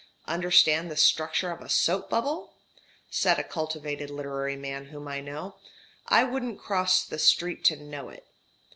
"Understand the structure of a soap bubble?" said a cultivated literary man whom I know; "I wouldn't cross the street to know it!"